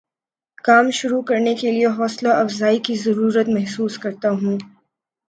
کام شروع کرنے کے لیے حوصلہ افزائی کی ضرورت محسوس کرتا ہوں